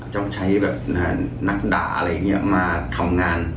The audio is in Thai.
ต้องใช้แบบนักด่าอะไรอย่างนี้มาทำงาน